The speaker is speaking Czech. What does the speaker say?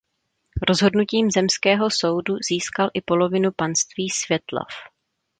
Rozhodnutím zemského soudu získal i polovinu panství Světlov.